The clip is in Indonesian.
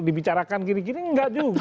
dibicarakan kiri kiri nggak juga